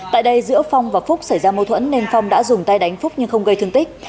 tại đây giữa phong và phúc xảy ra mâu thuẫn nên phong đã dùng tay đánh phúc nhưng không gây thương tích